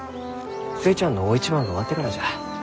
寿恵ちゃんの大一番が終わってからじゃ。